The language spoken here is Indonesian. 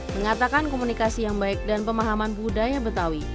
mengatakan komunikasi yang baik dan pemahaman budaya betawi